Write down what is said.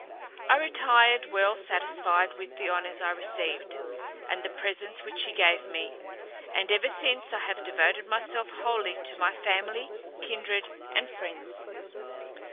I retired well satisfied with the honours I received, and the presents which he gave me; and ever since I have devoted myself wholly to my family, kindred, and friends.